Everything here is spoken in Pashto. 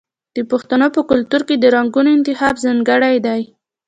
د پښتنو په کلتور کې د رنګونو انتخاب ځانګړی دی.